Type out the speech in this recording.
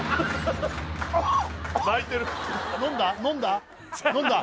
飲んだ？